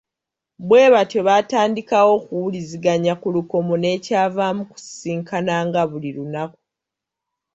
Bwe batyo baatandikawo okuwuliziganya ku lukomo nekyavaamu kusisinkananga buli lunaku.